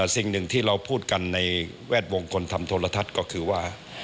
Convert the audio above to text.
สิ่งหนึ่งที่เราพูดกันในแวดวงคนทำโทรทัศน์ก็คือว่า